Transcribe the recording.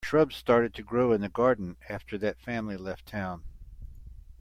Shrubs started to grow in the garden after that family left town.